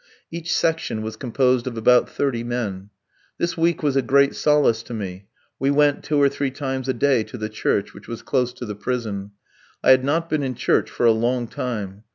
Each section was composed of about thirty men. This week was a great solace to me; we went two or three times a day to the church, which was close to the prison. I had not been in church for a long time.